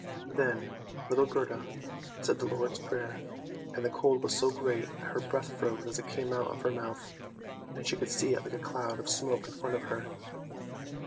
Then little Gerda said the Lord's Prayer, and the cold was so great that her breath froze as it came out of her mouth, and she could see it like a cloud of smoke in front of her.